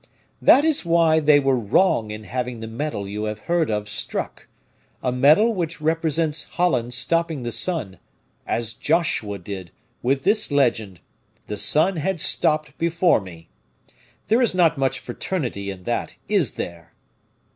"That is why they were wrong in having the medal you have heard of struck; a medal which represents Holland stopping the sun, as Joshua did, with this legend: The sun had stopped before me. There is not much fraternity in that, is there?"